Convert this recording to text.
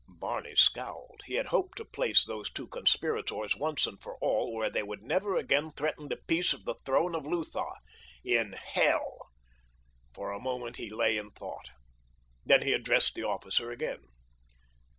Barney scowled. He had hoped to place these two conspirators once and for all where they would never again threaten the peace of the throne of Lutha—in hell. For a moment he lay in thought. Then he addressed the officer again.